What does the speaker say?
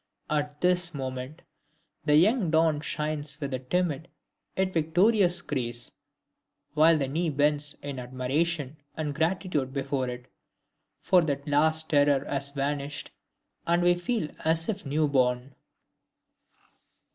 At this moment the young dawn shines with a timid yet victorious grace, while the knee bends in admiration and gratitude before it, for the last terror has vanished, and we feel as if new born.